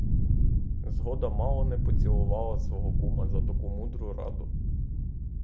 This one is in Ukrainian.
Згода мало не поцілувала свого кума за таку мудру раду.